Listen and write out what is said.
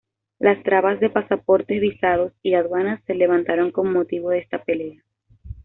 Las trabas de pasaportes, visados y aduanas se levantaron con motivo de esta pelea.